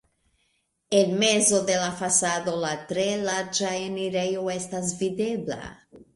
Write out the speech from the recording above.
En mezo de la fasado la tre larĝa enirejo estas videbla.